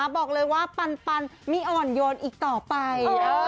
บอกเลยว่าปันไม่อ่อนโยนอีกต่อไป